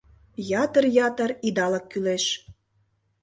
Ятыр-ятыр идалык кӱлеш...